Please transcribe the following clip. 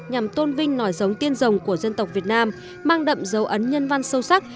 nhằm tôn vinh nòi giống tiên rồng của dân tộc việt nam mang đậm dấu ấn nhân văn sâu sắc